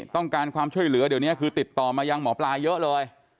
ต้องการความช่วยเหลือเดี๋ยวนี้คือติดต่อมายังหมอปลาเยอะเลย